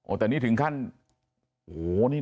แต่นี่ถึงขั้นโอ้โหนี่